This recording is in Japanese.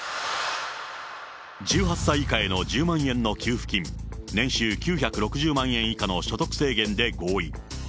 １８歳以下への１０万円の給付金、年収９６０万円以下の所得制限で合意。